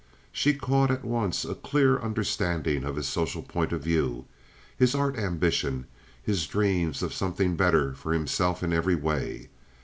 She caught at once a clear understanding of his social point of view, his art ambition, his dreams of something better for himself in every way.